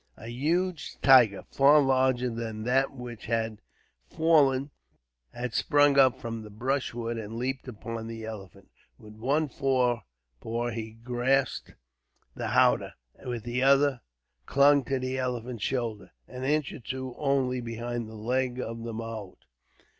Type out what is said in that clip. A huge tiger, far larger than that which had fallen, had sprung up from the brushwood and leaped upon the elephant. With one forepaw he grasped the howdah, with the other clung to the elephant's shoulder, an inch or two only behind the leg of the mahout.